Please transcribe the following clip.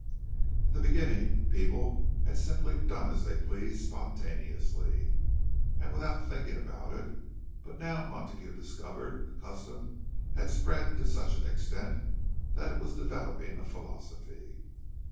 In the beginning people had simply done as they pleased spontaneously, and without thinking about it; but now, Montague discovered, the custom had spread to such an extent that it was developing a philosophy.